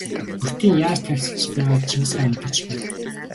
Бөртийн яаж тарчилж байгааг Чингис хаан мэдэрч байв.